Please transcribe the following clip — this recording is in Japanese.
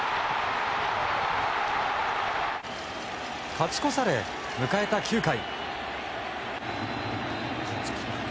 勝ち越され、迎えた９回。